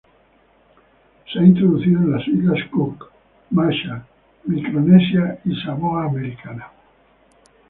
Se ha introducido en las islas Cook, islas Marshall, Micronesia y Samoa Americana.